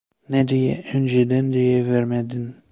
Ne diye önceden diyivermedin!